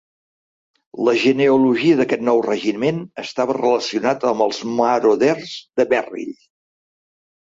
La genealogia d'aquest nou regiment estava relacionat amb els Marauders de Merrill.